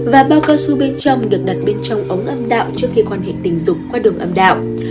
và bao cao su bên trong được đặt bên trong ống âm đạo trước khi quan hệ tình dục qua đường âm đạo